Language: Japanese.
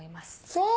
そう！